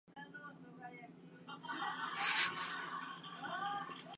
重曹を入れた液にじゅうぶんに浸すことが肝要。